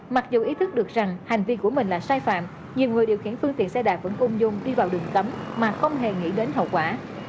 mặc dù ý thức được rằng hành vi của mình là sai phạm nhiều người điều khiển phương tiện xe đạp vẫn cung dông đi vào đường cấm mà không hề nghĩ đến hậu quả